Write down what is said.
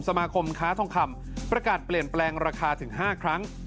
สมาคมค้าทองคำประกาศเปลี่ยนแปลงราคาถึง๕ครั้ง